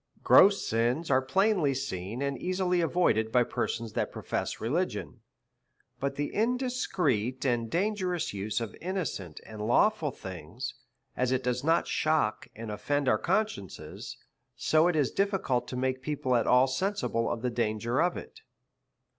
Gross sins are plainly seen, and easily avoided by persons that profess religion ; but the indiscreet and dangerous use of innocent and lawful things, as it does not shock and oflend our conscience, so it is difficult to make people at all sensible of the danger of it.